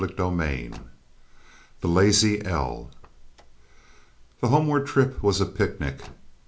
CHAPTER VIII THE "LAZY L" The homeward trip was a picnic.